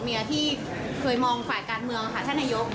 เมียที่เคยมองฝ่ายการเมืองค่ะท่านนายก